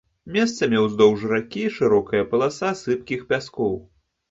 Месцамі ўздоўж ракі шырокая паласа сыпкіх пяскоў.